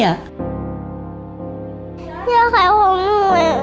อยากขายของหนู